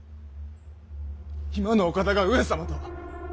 今のお方が上様とは！